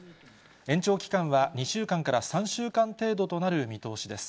延長期間は、２週間から３週間程度となる見通しです。